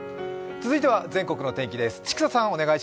続いては全国の天気です。